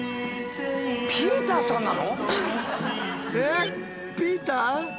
ピーターさんなの！？